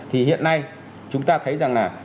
thì hiện nay chúng ta thấy rằng là